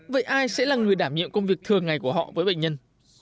vậy ai sẽ là người đảm nhiệm công việc thường ngày của họ với bệnh nhân